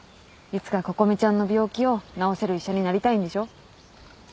いつか心美ちゃんの病気を治せる医者になりたいんでしょ。